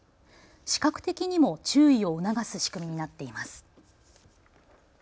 視覚的にも注意を促す仕組みになっています。